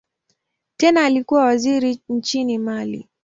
Tena alikuwa waziri nchini Mali.